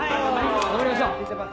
頑張りましょう。